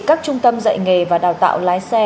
các trung tâm dạy nghề và đào tạo lái xe